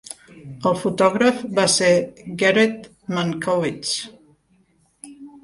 El fotògraf va ser Gered Mankowitz.